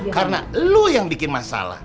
karena lu yang bikin masalah